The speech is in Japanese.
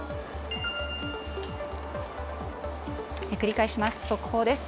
繰り返します、速報です。